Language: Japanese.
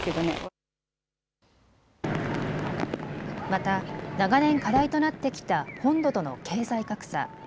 また長年課題となってきた本土との経済格差。